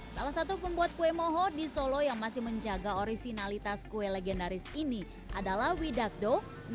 salah satu pembuat kue moho di solo yang masih menjaga orisinalitas kue legendaris ini adalah widakdo